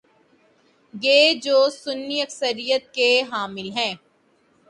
گے جو سنی اکثریت کے حامل ہیں؟